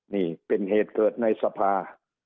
นี่เป็นเหตุเกิดในสภา